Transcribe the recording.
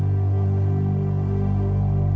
shalik algumas dari kita